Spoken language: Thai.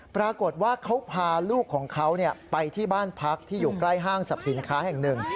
ปรากฏว่าเขาพาลูกของเขาไปที่บ้านพักที่อยู่ใกล้ห้างสรรพสินค้าแห่งหนึ่ง